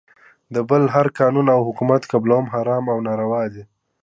د بل هر قانون او حکومت قبلول حرام او ناروا دی .